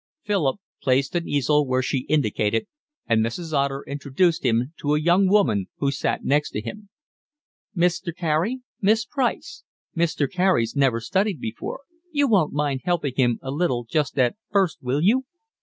Philip placed an easel where she indicated, and Mrs. Otter introduced him to a young woman who sat next to him. "Mr. Carey—Miss Price. Mr. Carey's never studied before, you won't mind helping him a little just at first will you?"